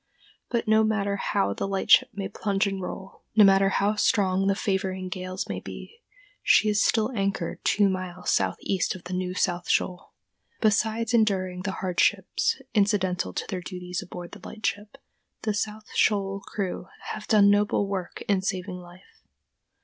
But no matter how the lightship may plunge and roll, no matter how strong the favoring gales may be, she is still anchored two miles southeast of the New South Shoal. [Illustration: CLEANING THE LAMPS ON A LIGHTSHIP.] Besides enduring the hardships incidental to their duties aboard the lightship, the South Shoal crew have done noble work in saving life.